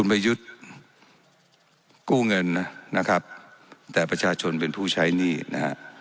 ประยุทธ์กู้เงินนะครับแต่ประชาชนเป็นผู้ใช้หนี้นะฮะ